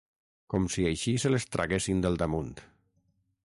Com si així se les traguessin del damunt.